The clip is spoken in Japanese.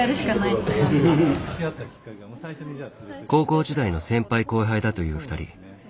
高校時代の先輩後輩だという２人。